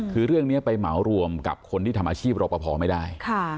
คือเรื่องนี้ไปเหมารวมกับคนที่ทำอาชีพรอปภไม่ได้